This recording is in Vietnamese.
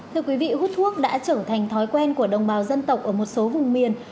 thưa quý vị hút thuốc đã trở thành thói quen của đồng bào dân tộc ở một số vùng miền